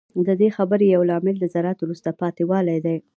د دې خبرې یو لامل د زراعت وروسته پاتې والی دی